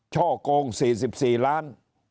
ช่อโกงสี่สิบสี่ล้าน